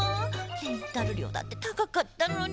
レンタルりょうだってたかかったのに。